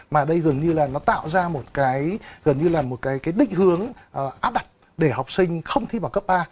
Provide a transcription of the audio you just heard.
mà đây gần như là nó tạo ra một cái định hướng áp đặt để học sinh không thi vào cấp ba